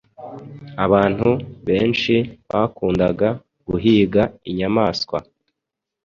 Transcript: abantu benshi bakundaga guhiga inyamaswa.